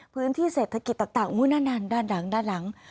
พื้นที่เศรษฐกิจต่างต่างอู้นั่นนั่นด้านหลังด้านหลัง